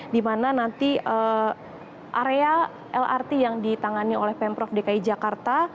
di mana nanti area lrt yang ditangani oleh pemprov dki jakarta